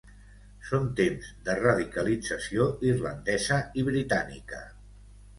Són temps de radicalització irlandesa i britànica.